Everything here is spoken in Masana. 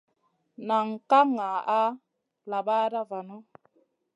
Nan ka ŋa labaɗa vanu.